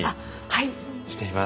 はい。